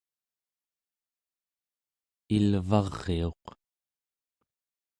ilvariuq